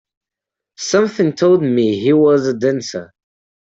Something told me he was a dancer.